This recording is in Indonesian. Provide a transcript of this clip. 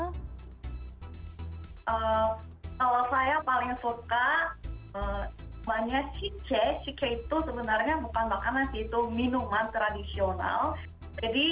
kalau saya paling suka untuk p follower si k itu sebenarnya bukan makanan situ minuman tradisional jadi